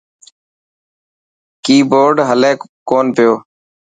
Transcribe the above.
ڪئي بورڊ هلي ڪونه پيو.